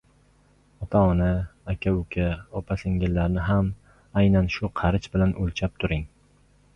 Ota-ona, aka-uka, opa-singillarni ham aynan shu qarich bilan o‘lchab turing: